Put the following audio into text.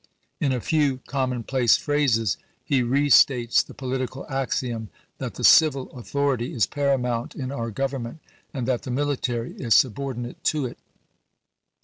In a few commonplace phrases he restates the political axiom that the civil author ity is paramount in our Government and that the military is subordinate to it.